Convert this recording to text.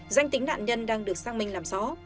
danh tính nạn nhân đang được xác minh làm rõ